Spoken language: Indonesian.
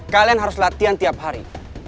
kalian harus latihan tiap hari